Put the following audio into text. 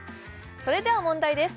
それでは問題です